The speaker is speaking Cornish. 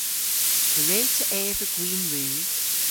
A wre'ta eva gwin rudh?